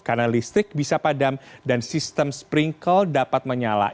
karena listrik bisa padam dan sistem sprinkle dapat menyala